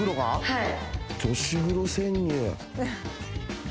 はい。